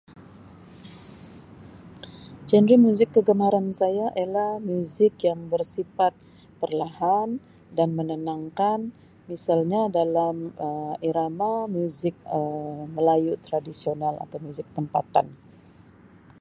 Genre muzik kegemaran saya ialah muzik yang bersifat perlahan dan menenangkan misalnya dalam Um irama muzik Um melayu tradisional atau muzik tempatan.